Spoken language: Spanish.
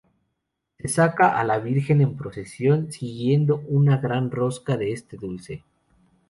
Se saca a la Virgen en procesión, siguiendo una gran rosca de este dulce.